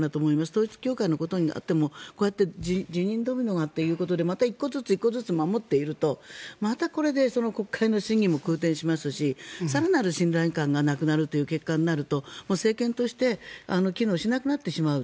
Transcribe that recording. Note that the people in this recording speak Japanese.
統一教会のことになっても辞任ドミノがということでまた１個ずつ１個ずつ守っているとまた、これで国会の審議も空転しますし更なる信頼感がなくなるという結果になると政権として機能しなくなってしまう。